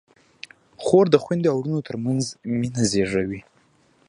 خور د خویندو او وروڼو ترمنځ مینه زېږوي.